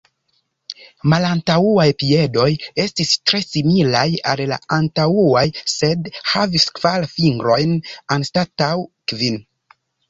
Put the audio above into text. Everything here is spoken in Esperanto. Malantaŭaj piedoj estis tre similaj al la antaŭaj, sed havis kvar fingrojn anstataŭ kvin.